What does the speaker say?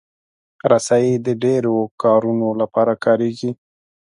رسۍ د ډیرو کارونو لپاره کارېږي.